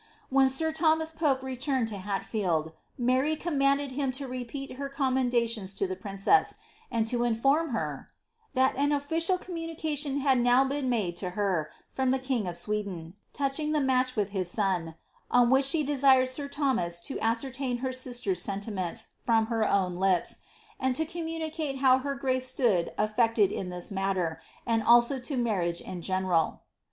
When sir Thomas Pope returned to Hatfield, Mary commanded him to repeat her commendations to the princess, and to inform her ^ that an official communication had now been made to her, from the king of Sweden, touching the match with his son, on which she desired sir Thomas to ascertain her sister's senti ments from her own lips, and to communicate how her grace stood iftcted in this matter, and also to marriage in general.'